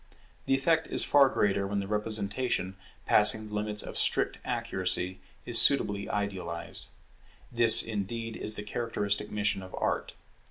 The effect is far greater when the representation, passing the limits of strict accuracy, is suitably idealized. This indeed is the characteristic mission of Art.